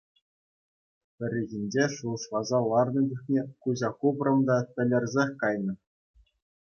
Пӗррехинче шухӑшласа ларнӑ чухне куҫа хупрӑм та — тӗлӗрсех кайнӑ.